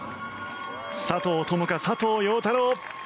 佐藤友花、佐藤陽太郎。